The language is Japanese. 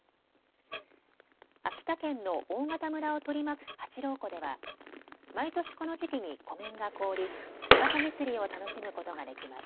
秋田県の大潟村を取り巻く八郎湖では毎年この時期に湖面が凍りワカサギ釣りを楽しむことができます。